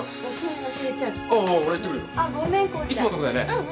あっ。